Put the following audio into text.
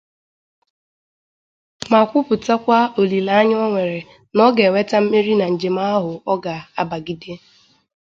ma kwupụtakwa olileanya o nwere na ọ ga-enwete mmeri na njem ahụ ọ na-abagide